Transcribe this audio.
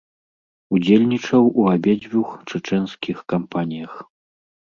Удзельнічаў у абедзвюх чачэнскіх кампаніях.